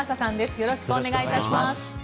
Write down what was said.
よろしくお願いします。